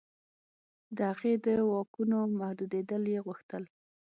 د هغې د واکونو محدودېدل یې غوښتل.